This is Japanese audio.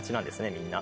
みんな。